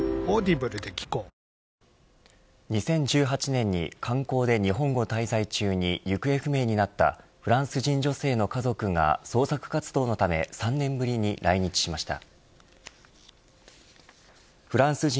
２０１８年に観光で日本を滞在中に行方不明になったフランス人の女性の家族が捜索活動のため３年ぶりに来日ました。